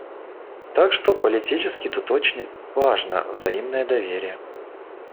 Так что политически тут очень важно взаимное доверие.